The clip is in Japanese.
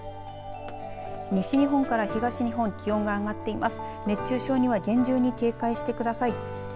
西日本から東日本気温が上がっています。